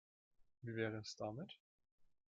Wie wäre es damit?